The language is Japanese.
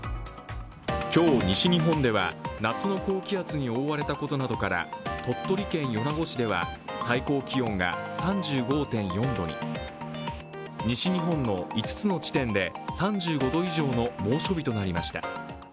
今日西日本では、夏の高気圧に覆われたことなどから鳥取県米子市では最高気温が３５．４度に、西日本の５つの地点で３５度以上の猛暑日となりました。